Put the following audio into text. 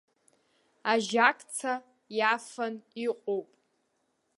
Ажьакца иафан иҟоу.